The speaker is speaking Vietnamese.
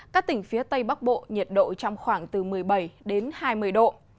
các tỉnh phía tây bắc bộ nhiệt độ trong khoảng từ một mươi bảy đến hai mươi độ